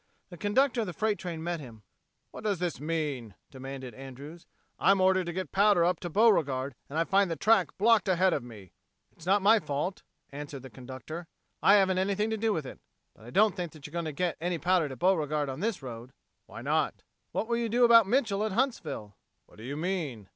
The conductor of the freight train met him. "What does this mean?" demanded Andrews. "I'm ordered to get powder up to Beauregard, and I find the track blocked ahead of me." "It's not my fault," answered the conductor. "I haven't anything to do with it. But I don't think that you're going to get any powder to Beauregard on this road." "Why not?" "What will you do about Mitchel at Huntsville?" "What do you mean?"